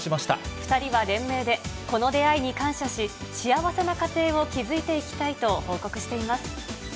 ２人は連名で、この出会いに感謝し、幸せな家庭を築いていきたいと報告しています。